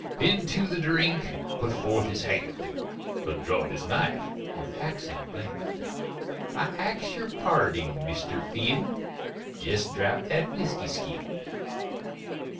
Phinn to the drink put forth his hand; Blood drawed his knife, with accent bland, "I ax yer parding, Mister Phinn Jest drap that whisky skin."